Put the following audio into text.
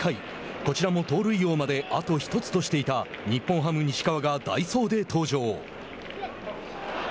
こちらも盗塁王まであと１つとしていた日本ハム、西川が代走で登場。